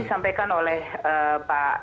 disampaikan oleh pak